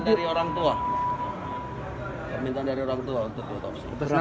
minta dari orang tua minta dari orang tua untuk otopsi